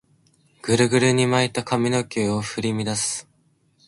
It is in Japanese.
グルグルに巻いた髪の毛を振り乱す